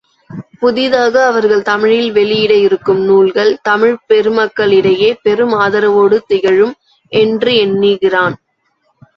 புதிதாக அவர்கள் தமிழில் வெளியிட இருக்கும் நூல்கள் தமிழ்ப் பெருமக்களிடையே பெரும் ஆதரவோடு திகழும் என்று எண்ணுகிறேன்.